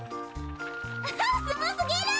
アハすごすぎる！